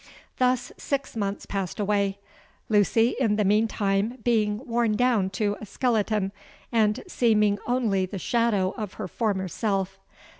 Thus six months passed away—Lucy in the meantime being worn down to a skeleton, and seeming only the shadow of her former self.